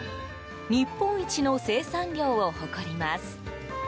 日本一の生産量を誇ります。